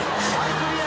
クリア。